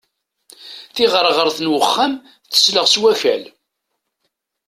Tiɣerɣert n uxxam tesleɣ s wakal.